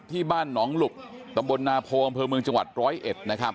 ที่บ้านน้องหลุกตำบลนาโพคำเผลอเมืองจังหวัด๑๐๑